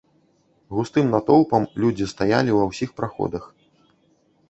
Густым натоўпам людзі стаялі ва ўсіх праходах.